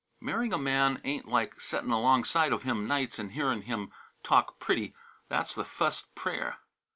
"Marryin' a man ain't like settin' alongside of him nights and hearin' him talk pretty; that's the fust prayer.